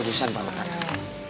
ada urusan pak makanan